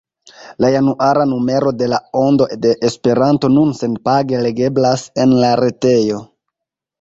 La januara numero de La Ondo de Esperanto nun senpage legeblas en la retejo.